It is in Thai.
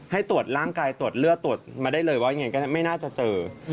ให้ตรวจร่างกายตรวจเลือดตรวจมาได้เลยว่ายังไงก็ไม่น่าจะเจอ